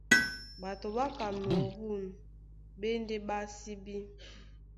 Ɓatoi ɓá Kamerûn ɓá e ndé ɓásíbí.